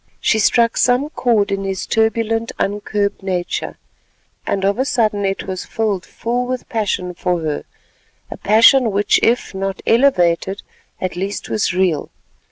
She struck some cord in his turbulent uncurbed nature, and of a sudden it was filled full with passion for her—a passion which if, not elevated, at least was real.